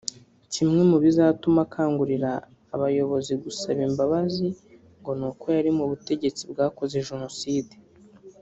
Kimwe mu bizatuma akangurira aba bayobozi gusaba imbabazi ngo ni uko yari mu butegetsi bwakoze Jenoside